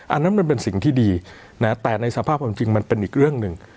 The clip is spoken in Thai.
อันนั้นมันเป็นสิ่งที่ดีนะแต่ในสภาพความจริงมันเป็นอีกเรื่องหนึ่ง